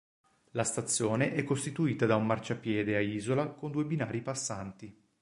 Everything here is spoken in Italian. La stazione è costituita da un marciapiede a isola con due binari passanti.